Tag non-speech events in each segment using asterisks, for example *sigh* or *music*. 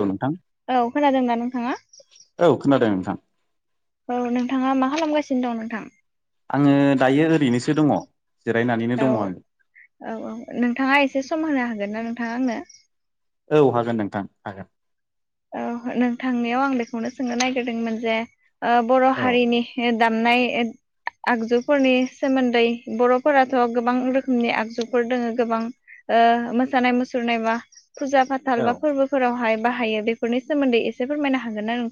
औ नोंथां औ खोनादोंना नोंथाङा औ खोनादों नोंथां औ नोंथाङा मा खालामगासिनो दं नोंथां? आङो दायो ओरैनोसो दङ जिरायनानैनो औ दङ आङो औ औ नोंथाङा एसे सम होनो हागोन ना नोंथाङा आं नो? औ हागोन नोंथां हागोन औ नोंथांनिआव आं बेखौनो सोंनो नागिरदोंमोन जे ओ बर औ हारिनि दाम नाय आगजुफोरनि सोमोन्दै बरफोराथ गोबां रोखोमनि आगजुफोर दोङो गोबां ओ मोसानाय मुसुरनाय बा फुजा फाथाल बा फोरबोफोरावहाय बाहायो बेफोरनि सोमोन्दै एसे फोरमायनो हागोना नों?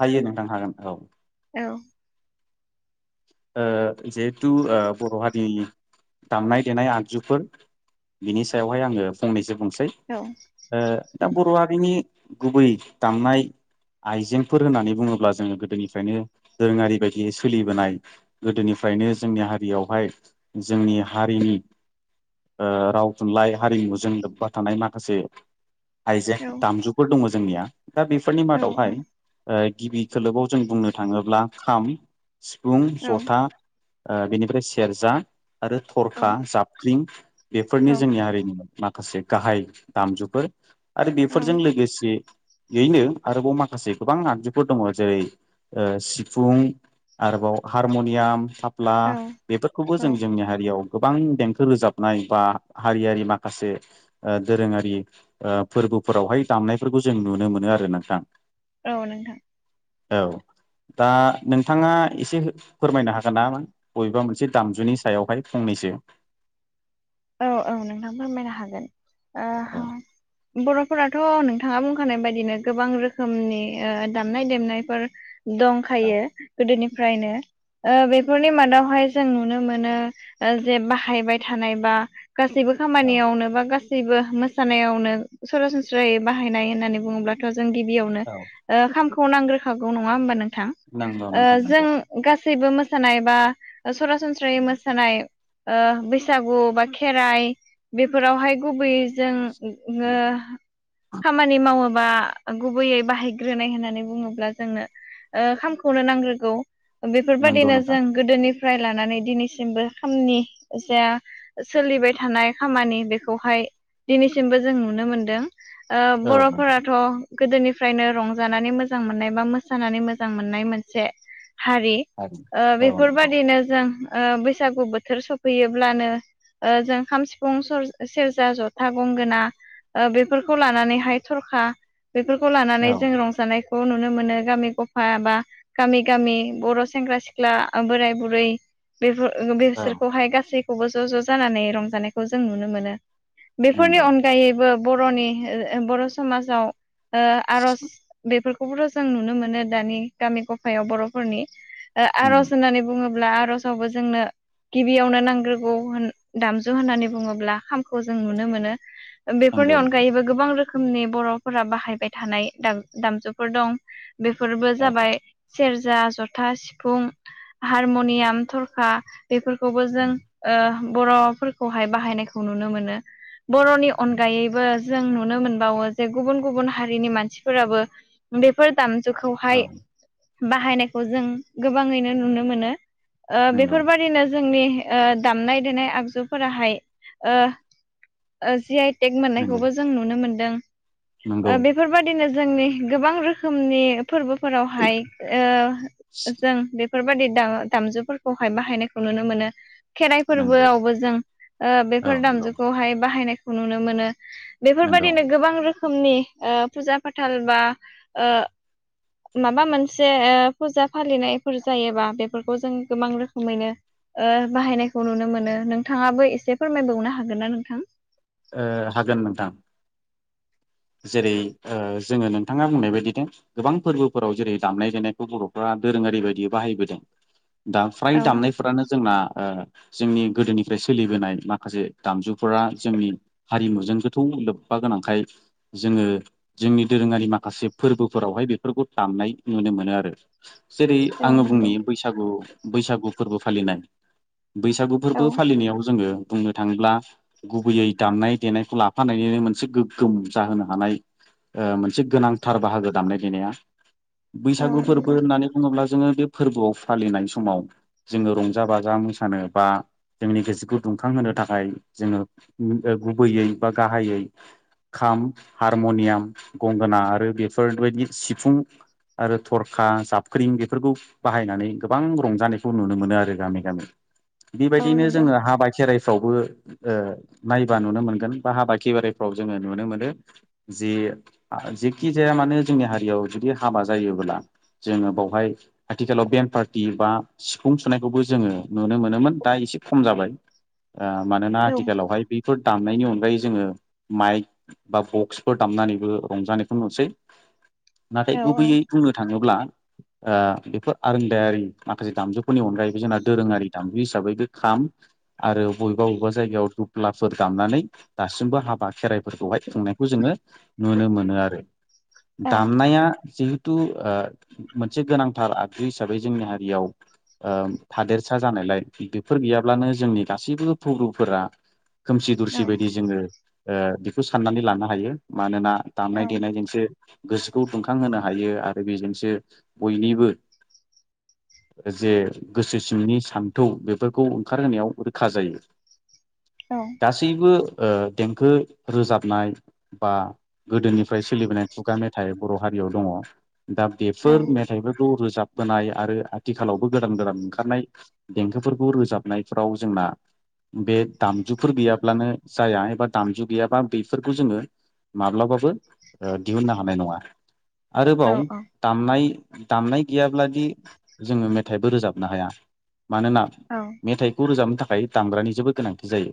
हायो नोंथां हागोन औ। औ। आ जिहेतु बर'हारि दामनाय देनाय आगजुफोर बिनि सायावहाय आङो फंनैसो बुं सै औ दा बर' हारिनि गुबै दामनाय आइजेंफोर होननानै बुङोब्ला जोङो गोदोनिफ्रायनो दोरोङारि बायदियै सोलिबोनाय गोदोनिफ्रायनो जोंनि हारियावहाय जोंनि हारिनि राव थुनलाइ हारिमुजों लोब्बा थानाय माखासे हइजें औ दामजुफोर दङ जोंनिया दा बेफोरनि मादावहाय गिबि खोलोबाव जों बुंनो थाङोब्ला खाम सिफुं औ जथा बेनिफ्राय सेरजा आरो औ थरखा जाबफ्रिं बेफोरनि जोंनि हारिनिमोन। माखासे गाहाय दामजुफोर आरो बेफोरजों लोगोसे बेैनो आरोबाव माखासे गोबां आइजफोर दङ जेरै सिफुं आरोबाव हारम'नियाम थाफ्ला औ बेफोरखौबो औ जों जोंनि हारियाव गोबां देंखो रोजाबनाय बा हारियारि माखासे दोरोङारि फोर्बो लोगोफोरावहाय दामनायफोरखौ जों नुनो मोनो आरो नोंथां। औ नोंथां। औ दा नोंथाङा एसे फोरमायनो हागोना बबेबा मोनसे दामजुनि सायावहाय फंनैसो *inaudible* औ औ नोंथां फोरामायनो हागोन ओ बर'फोराथ' नोंथाङा बुंखानाय बायदिनो गोबां रोखोमनि दामनाय देनायफोर दंखायो गोदोनिफ्रायनो बेफोरनि मादावहाय जों नुनो मोनो जे बाहायबाय थानाय बा गासैबो खामानियावनो बा गासैबो मोसानायावनो सरासनस्रायै बाहायनाय होननानै बुङोब्लाथ' जों गिबियावनो औ खामखौ नांग्रोखागौ नङा होमबा नोंथां? नंगौ ओ नोंथां जों नंगौ गा सैबो मोसानाय बा सरासनस्रायै मोसानाय बैसागु बा खेराइ बेफोरावहाय गुबैयैजों खामानि मावो बा गुबैयै बाहायग्रोनाय होननानै बुङोब्ला जोंनो खामखौनो नांग्रोगौ। नंगौ बेफोरबायादिनो नोंथां जों गोदोनिफ्राय लानानै दिनैसिमबो खामनि जा, सोलिबाय थानाय खामानि बेखौहाय दिनैसिमबो जों नुनो मोनदों। औ नंगौ बर'फोराथ' गोदोनिफ्रायनो रंजानानै मोजां मोननाय बा मोसानानै मोजां मोननाय मोनसे हारि औ नंगौ बेफोरबादिनो जों बैसागु बोथोर सफैयोब्लानो जों खाम सिफुं सेरजा जथा गंगोना बेफोरखौ लानानैहाय थरखा बेफोरखौ औ लानानै जों रंजानाय खौ नुनो मोनो गामि गफा बा गामि गामि बर' सेंग्रा सिख्ला बोराय बुरै बेफोर औ बेसोरखौहाय गासैखौबो ज' ज' जानानै रंजानायखौ जों नुनो मोनो। बेफोरनि नंगौ अनगायैबो बर'नि बर' समाजाव आर'ज बेफोरखौबोथ' जों नुनो मोनो दानि गामि गफायाव बर'फोरनि उम आर'ज होननानै बुङोब्ला आर'जावबो जोंनो गिबियावनो नांग्रोगौ होन दामजु होननानै बुङोब्ला खामखौ जों नुनो मोनो नंगौ बेफोरनि नोंथां अनगायैबो गोबां रोखोम खोमनि बर'फोरा बाहायबाय थानाय दामजुफोर दं। बेफोरबो औ जाबाय सेर जा जथा सिफुं हारम'नियाम थरखा बेफोरखौबो जों ओ बर'फोरखौहाय बाहायनायखौ नुनो मोनो। बर'नि अनगायैबो जों नुनो मोनबावो जे गुबुन गुबुन हारिनि मानसिफोराबो बेफोर दाम औ जुखौहाय बाहायनायखौ जों गोबाङैनो नुनो मोनो। ओ नंगौ बेफोरबायदिनो जोंनि ओ दामनाय देनाय आगजुफोराहाय ओ ओ जि आय टेक नंगौ मोननायखौबो जों नुनो मोनदों। ओ नंगौ बेफोरबायदिनो जोंनि गोबां रोखोमनि फोरबोफोरावहाय ओ जों बे फोरबायदि दा-दामजुफोरखौहाय बाहायनायखौ नुनो मोनो। खेराइ नंगौ फोरबोआवबो जों ओ औ बेफोर नंगौ दामजुखौहाय बाहायनायखौ नुनो मोनो। नंगौ बेफोरबादिनो गोबां रोखोमनि ओ फुजा फाथाल बा ओ माबा मोनसे ओ फुजा फालिनायफोर जायोबा बेफोरखौ जों गोबां रोखोमैनो ओ बाहायनायखौ नुनो मोनो। नोंथाङाबो एसे फोरमायबावनो हागोन ना नोंथां? ओ हागोन नोंथां। जेरै ओ जोङो नोंथाङा बुंनाय बायदिनो गोबां फोरबोफोराव जेरै दामनाय देनायखौ बर'फ्रा दोरोङारि बायदि बाहायबोदों दा फ्राय औ दामनायफ्रानो जोंना ओ जोंनि गोदोनिफ्राय सोलिबोनाय माखासे दामजुफोरा जोंनि हारिमुजों गोथौ लोब्बा बा गोनांखाय। जोङो जोंनि दोरोङारि माखासे फोरबोफोरावहाय बेफोरखौ दामनाय नुनो मोनो आरो। जेरै औ आङो नंगौ बुंनि बैसागु बैसागु फोरबो फालिनाय। बैसागु औ फोरबो फालिनायाव जोङो बुंनो थाङोब्ला गुबैयै दामनाय देनायखौ लाफानायनो मोनसे गोगोम। जाहोनो हानाय ओ मोनसे गोनांथार बाहागो दामनाय देनाया औ बैसागु नंगौ फोरबो होननानै बुङोब्ला। जोङो बे फोरबोआव फालिनाय समाव जोङो रंजा बाजा मोसानो बा जोंनि गोसोखौ दुंखांहोनो थाखाय। जोङो ओ गुबैयै बा गाहायै खाम, हारमनियाम, गंगोना आरो बेफोरबायदि सिफुं आरो थरखा, जाबख्रिं बेफोरखौ बाहायनानै गोबां रंजानायखौ नुनो मोनो आरो गामि गामि। औ बेबायदिनो नंगौ जोङो हाबा खेराइ फ्रावबो ओ नायबा नुनो मोनगोन। बा हाबा खि बारिफ्राव जोङो। नुनो मोनो‌। जे जेखि जाया माने जोंनि हारियाव जुदि हाबा जायोब्ला। जोङो बावहाय आथिखालाव बेन पार्टि बा सिफुं सुनायखौबो जोङो नुनो मोनोमोन दा एसे खम जाबाय। ओ मानोना औ आथिखालावहाय बेफोर दामनायनि अनगायै जोङो माइक बा बक्सफोर दामनानैबो रंजानायखौ नुसै। औ नाथाय गुबैयै बुंनो थाङोब्ला। ओ बेफोर आरोंदायारि माखासे दामजु नि अनायैबो जोंना दोरोङारि दाम्बि हिसाबै बे खाम आरो बबेबा बबेबा जायगायाव दुफ्लाफोर दामनानै दासिमबो हाबा खेराइ फोरखौहाय खुंनायखौ जोङो नुनो मोनो आरो औ दामनाया जि थु ओ मोनसे गोनांथार आगजु हिसाबै जोंनि हारियाव ओ थादेरसा जानायलाय बेफोर गैयाब्लानो जोंनि गासैबो फ्रुरुफोरा खोमसि औ दरसि बायदि जोङो ओ बेखौ साननानै लानो हायो। मानोना औ दामनाय देनायजोंसो गोसोखौ दुंखांहोनो हायो। आरो बेजोंसो बयनिबो जे गोसो सिंनि सान्थौ बेफोरचखौ ओंखारहोनायाव रोखा जायो। औ गासैबो ओ देंखो रोजाबनाय बा गोदोनिफ्राय सोलिबोनाय खुगा मेथाइ बर' हारियाव दङ दा औ बेफोर मेथाइफोर खौ रोजाबबोनाय आरो आथिखालावबो गोदान गोदान ओंखारनाय देंखोफोरखौ रोजाबनायफ्राव जोंना बा बे दामजुफोर गैयाब्लानो जाया एबा दामजु गैयाबा बेफोरखौ जोङो माब्लाबाबो दिहुननो हानाय नङा। औ आरोबाव औ दामनाय दामनाय गैयाब्लादि जोङो मेथाइबो रोजाबनो हाया। मानोना मेथाइखौ रोजाबनो थाखाय दामग्रानि जोबोद गोनांथि जायो।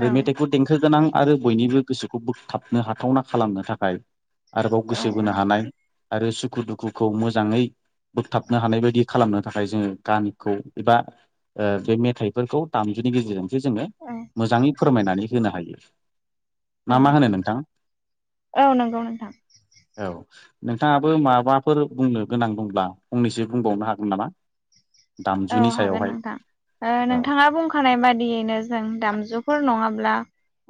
औ मेथाइखौ दें गोनां आरो बयनिबो गोसोखौ बोगथाबनो हाथावना खालामनो थाखाय। आरोबाव गोसो बोनो औ हानाय आरो सुखु दुखुखौ मोजाङै। बोगथाबनो हानाय बायदि खालामनो थाखाय जोङो गामिखौ एबा। ओ बे मेथाइफोरखौ दामजुनि गेजेरजों। जोङो मोजाङै फोरमायनानै होनो हायो। मा औ मा होनो नोंथां औ नंगौ नोंथां औ। नोंथाङाबो माबाफोर बुंनो गोनां दंब्ला फंनैसो बुंबावनो हागोन नामा? औ दामजुनि हागोन सायावहाय नोंथां ओ औ नोंथाङा बुंखानाय बादियैनो जों दामजुफोर नङा। ब्ला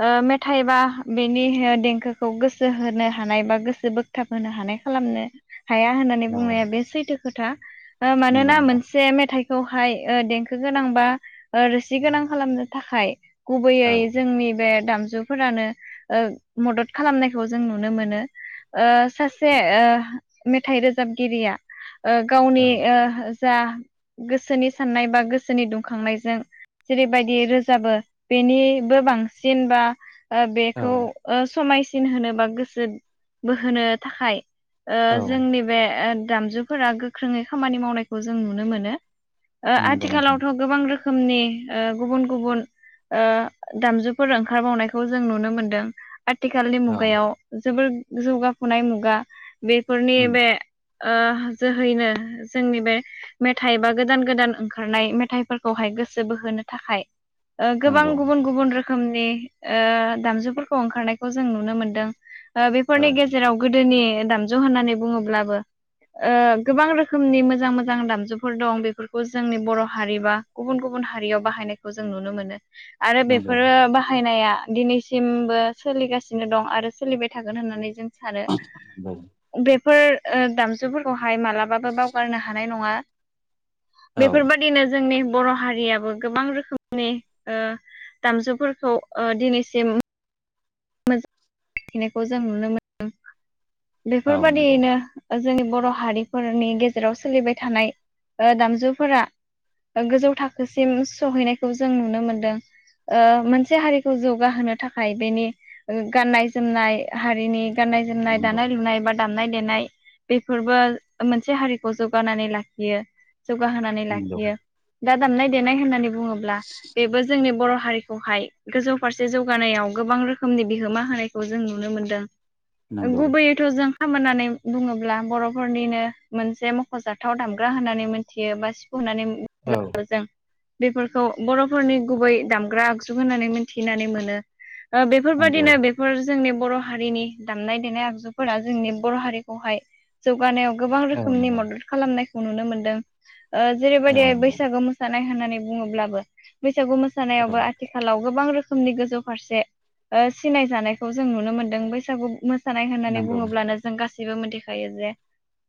ओ मेथाइ बा बेनि देंखोखौ गोसो होनो हानाय बा गोसो बोगथाब होनो हानायखौ। खालामनो हाया होननानै बुंनाया बे सैथो खोथा ओ नंगौ मानोना नोंथां मोनसे मेथाइ। खौहाय ओ देंखो गोनां बा रोसि गोनां खालामनो थाखाय। औ गुबैयै जोंनि बे दामजुफोरानो ओ मदद खालामनायखौ जों नुनो मोनो ओ सासे ओ मेथाइ रोजाबगिरिया ओ औ गावनि ओ जा गोसोनि साननाय बा गोसोनि दुंखांनायजों जेरैबायदि रोजाबो बेनिबो बांसिन बा ओ बेखौ ओ समायसिन होनो बा गोसो बोहोनो थाखाय ओ औ जोंनि बे ओ दामजुफोरा गोख्रोङै खामानि मावनायखौ जों नुनो मोनो। ओ नंगौ नोंथां आथिखालावथ' गोबां रोखोमनि ओ गुबुन गुबुन ओ दामजुफोर ओंखारबावनायखौ जों नुनो मोनदों। आथिखालनि औ मुगायाव जोबोर जौगाखुनाय मुगा बेफोरनि बे ओ जोहैनो जोंनि बे मेथाइ बा गोदान गोदान ओंखारनाय मेथाइफोरखौहाय गोसो बोहोनो थाखाय ओ गोबां नंगौ गुबुन गुबुन रोखोम नि ओ दामजुफोरखौ ओंखारनायखौ जों नुनो मोनदों। ओ औ बेफोरनि गेजेराव गोदोनि दामजु होननानै बुङोब्लाबो ओ गोबां रोखोमनि मोजां मोजां दामजुफोर दं बे बेफोरखौ जोंनि बर' हारि बा गुबुन गुबुन हारियाव बाहायनायखौ जों नुनो मोनो। आरो नंगौ बेफोरो बाहायनाया दिनैसिमबो सोलिगासिनो दं आरो सोलिबाय थागोन होननानै जों सानो नंगौ बेफोर ओ दामजुफोरखौ हाय मालाबाबो बावगारनो हानाय नङा। औ बेफोरबादिनो जोंनि बर' हारियाबो गोबां रोखोमनि ओ दामजुफोरखौ ओ दिनैसिम मोजां नायखौ जों नुनो मोनदों औ नंगौ बेफोरबादियैनो जोंनि बर' हारिफोरनि गेजेराव सोलिबाय थानाय ओ दामजुफोरा गोजौ थाखोसिम सहैनायखौ जों नुनो मोनदों। ओ मोनसे हारिखौ जौगाहोनो थाखाय बेनि गाननाय जोमनाय हारिनि गाननाय जोमनाय नंगौ दानाय लुनाय बा दामनाय देनाय बेफोरबो मोनसे हारिखौ जौगानानै लाखियो। जौगाहोनानै नंगौ लाखियो दा दामनाय देनाय होननानै बुङोब्ला बेबो जोंनि बर' हारिखौहाय गोजौ फारसे जौगानायाव गोबां रोखोमनि बिहोमा होनायखौ जों नुनो मोनदों। नंगौ गुबैयैथ' जों खाम होननानै बुङोब्ला बर'फोरनिनो मोनसे मख'जाथाव दामग्रा होननानै मिथियो औ बा *unintelligible* बेफोरखौ बर'फोरनि गुबै दामग्रा आगजु होननानै मिनथिनानै मोनो ओ नंगौ बेफोरबादिनो बेफोर जोंनि बर' हारिनि दामनाय देनाय आगजुफोरा जोंनि बर' हारिखौहाय जौगानायाव गोबां औ रोखोमनि नंगौ मदद खालामनायखौ नुनो मोनदों ओ औ जेरैबायदि नंगौ बैसागु मोसानाय होननानै बुङोब्लाबो बैसागु औ मोसानायावबो आथिखालाव गोबां रोखोमनि गोजौ फारसे ओ सिनाय जानायखौ जों नुनो मोन्दों बैसागु मोसानाय होननानै नंगौ बुङोब्लानो जों गासै बो मोनथिखायो जे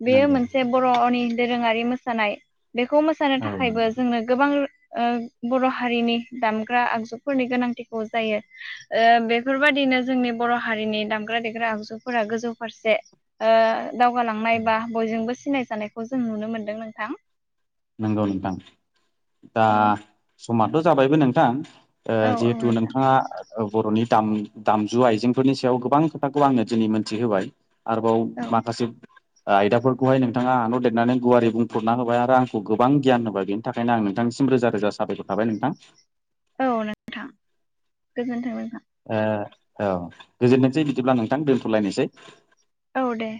बेयो नंगौ मोनसे बर'नि दोरोङारि मोसानाय बेखौ मोसानो औ थाखायबो नंगौ जोंनो गोबां ओ बर' हारिनि दामग्रा आगजुफोरनि गोनांथिखौ जायो ओ बेफोरबादिनो जोंनि बर' हारिनि दामग्रा देग्रा आगजुफोरा गोजौ फारसे ओ दावगालांनाय बा बयजोंबो सिनायजानायखौ जों नुनो मोनदों नोंथां। नंगौ नोंथां दा औ समाथ' जाबायबो नोंथां ओ औ औ जिहेथु नोंथां नोंथाङा ओ बर'नि दाम-दामजु आइजेंफोरनि सायाव गोबां खोथाखौ आंनो दिनै मोनथिहोबाय। आरोबाव औ माखासे आयदाफोरखौहाय नोंथाङा आनर देरनानै गुवारै बुंफोरना होबाय आरो आं खौ गोबां गियान होबाय बेनि थाखायनो आं नोंथांनिसिम रोजा रोजा साबायखर थाबाय नोंथां। औ नोंथां गोजोनथों नोंथां। ओ औ गोजोनथोंसै बिदिब्ला नोंथां दोन्थ'लायनोसै। औ दे।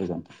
गोजोनथों।